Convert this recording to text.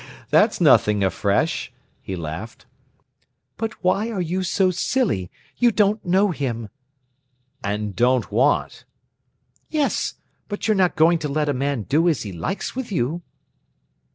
"That's nothing afresh," he laughed. "But why are you so silly? You don't know him." "And don't want." "Yes, but you're not going to let a man do as he likes with you?"